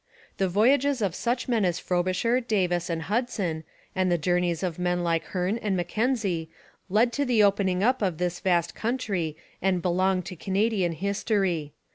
The voyages of such men as Frobisher, Davis and Hudson, and the journeys of men like Hearne and Mackenzie led to the opening up of this vast country and belong to Canadian history.